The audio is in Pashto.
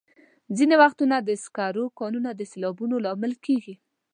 ځینې وختونه د سکرو کانونه د سیلابونو لامل کېږي.